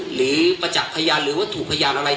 หรือประจักษ์พยานหรือว่าถูกพยานอะไร